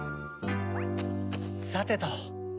さてと。